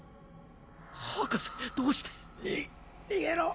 博士どうして。に逃げろ。